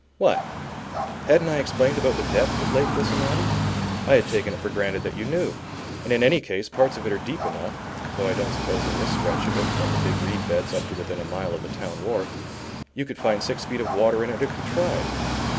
What? Hadn't I explained about the depth of Lake Wissanotti? I had taken it for granted that you knew; and in any case parts of it are deep enough, though I don't suppose in this stretch of it from the big reed beds up to within a mile of the town wharf, you could find six feet of water in it if you tried.